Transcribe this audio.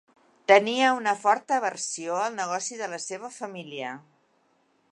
Tenia una forta aversió al negoci de la seva família.